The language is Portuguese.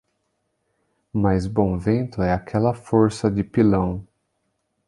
Mais bom vento é aquela força de pilão.